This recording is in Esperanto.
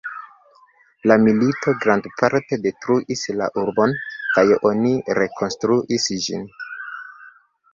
La milito grandparte detruis la urbon, kaj oni rekonstruis ĝin.